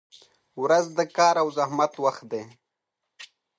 • ورځ د کار او زحمت وخت دی.